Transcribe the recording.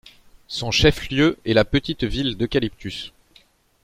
Son chef-lieu est la petite ville d'Eucaliptus.